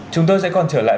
chúng tôi sẽ còn trở lại